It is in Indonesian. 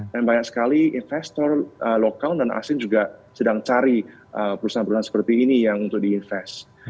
dan banyak sekali investor lokal dan asing juga sedang cari perusahaan perusahaan seperti ini yang untuk di invest